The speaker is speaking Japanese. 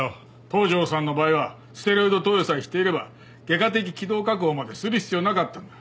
東条さんの場合はステロイド投与さえしていれば外科的気道確保までする必要なかったんだ。